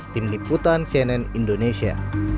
tim liputan cnn indonesia